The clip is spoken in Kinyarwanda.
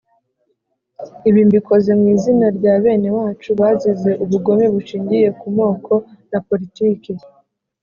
ibi mbikoze mu izina rya benewacu bazize ubugome bushingiye ku moko na politiki.